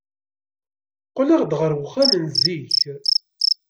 Qqel-d ɣer uxxam zik.